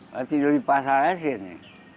saya tidur di pasarnya sini